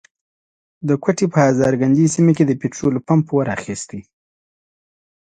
د کوټي په هزارګنجۍ سيمه کي د پټرولو پمپ اور اخستی.